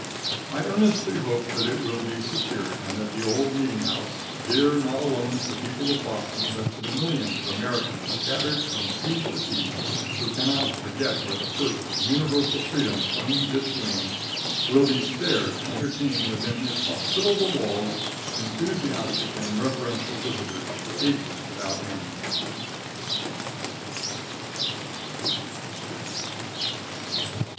I earnestly hope that it will be secured, and that the old meeting house dear not alone to the people of Boston, but to the millions of Americans scattered from sea to sea, who cannot forget where first universal freedom plumed its wings will be spared to entertain within its hospitable walls, enthusiastic and reverential visitors for ages without end.